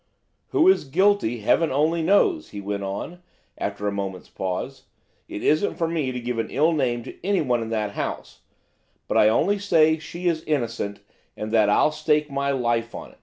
"Who is guilty Heaven only knows," he went on after a moment's pause; "it isn't for me to give an ill name to anyone in that house; but I only say she is innocent, and that I'll stake my life on."